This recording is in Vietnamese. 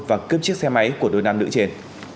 và cướp chiếc xe máy của đôi nam nữ trên